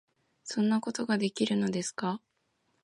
「そんなことができるのですか？」